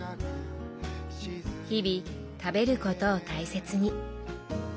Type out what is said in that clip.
日々食べることを大切に。